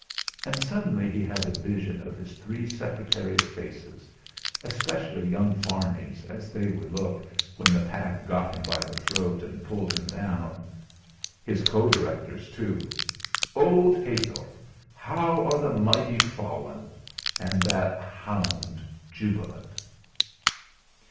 And suddenly he had a vision of his three secretaries' faces especially young Farney's as they would look, when the pack got him by the throat and pulled him down. His co directors, too! Old Heythorp! How are the mighty fallen! And that hound jubilant!